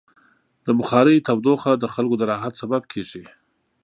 د بخارۍ تودوخه د خلکو د راحت سبب کېږي.